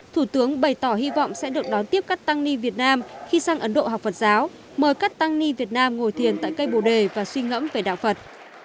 thủ tướng bày tỏ hy vọng sẽ được đón tiếp các tăng ni việt nam khi sang ấn độ học phật giáo mời các tăng ni việt nam ngồi thiền tại cây bồ đề và suy ngẫm về đạo phật